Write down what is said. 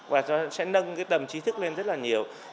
và sẽ nâng cái tầm trí thức lên rất là nhiều